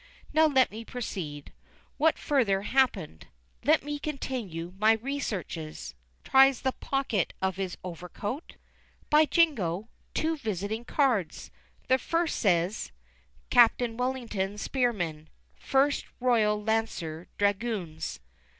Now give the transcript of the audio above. Now let me proceed. What further happened? Let me continue my researches. [Tries the pockets of his overcoat. By Jingo! Two visiting cards! The first says: "Captain Wellington Spearman, FIRST ROYAL LANCER DRAGOONS."